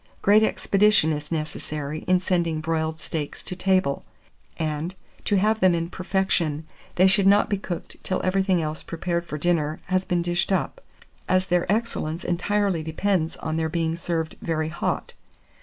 Great expedition is necessary in sending broiled steaks to table; and, to have them in perfection, they should not be cooked till everything else prepared for dinner has been dished up, as their excellence entirely depends on their being served very hot.